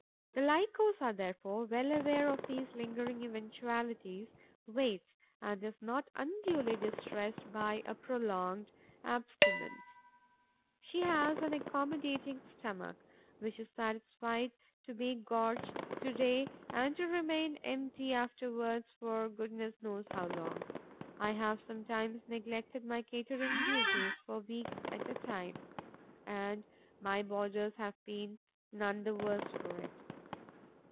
The Lycosa, therefore, well aware of these lingering eventualities, waits and is not unduly distressed by a prolonged abstinence. She has an accommodating stomach, which is satisfied to be gorged to day and to remain empty afterwards for goodness knows how long. I have sometimes neglected my catering duties for weeks at a time; and my boarders have been none the worse for it.